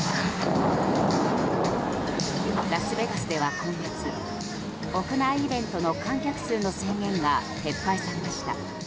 ラスベガスでは今月屋内イベントの観客数の制限が撤廃されました。